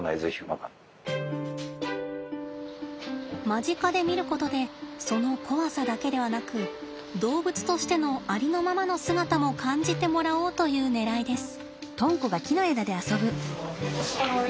間近で見ることでその怖さだけではなく動物としてのありのままの姿も感じてもらおうというねらいです。